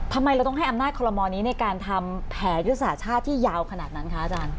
ทำไมเราต้องให้อำนาจคอลโมนี้ในการทำแผนยุทธศาสตร์ชาติที่ยาวขนาดนั้นคะอาจารย์